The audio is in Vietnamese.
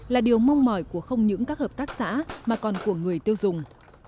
là điều mong mỏi của không những các hợp tác xã mà còn của người tiêu dùng